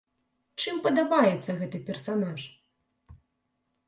Чым падабаецца гэты персанаж?